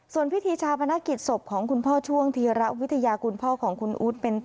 ส่วนพิธีชาพนักกิจศพของคุณพ่อช่วงทีระวิทยาคุณพ่อของคุณอู๋ทเป็นต่อ